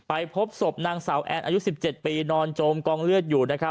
อายุ๑๗ปีนอนโจมกองเลือดอยู่